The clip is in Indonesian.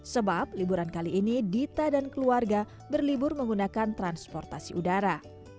sebab liburan kali ini dita dan keluarga berlibur menggunakan transportasi udara